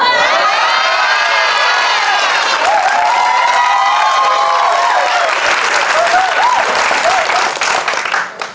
ชอบได้หมด